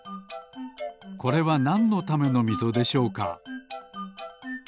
これはなんのためのみぞでしょうか？